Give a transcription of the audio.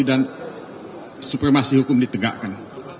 dan supremasi hukum ditegakkan